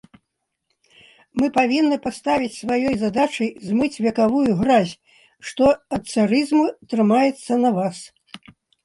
Мы павінны паставіць сваёй задачай змыць векавую гразь, што ад царызму трымаецца на вас.